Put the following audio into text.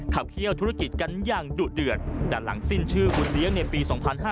เขี้ยวธุรกิจกันอย่างดุเดือดแต่หลังสิ้นชื่อคุณเลี้ยงในปี๒๕๕๙